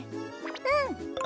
うん！